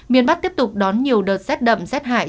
miền bắc tiếp tục đón nhiều đợt z đậm z hại